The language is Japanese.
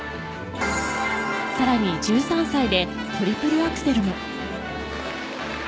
さらに、１３歳でトリプルアクセルも。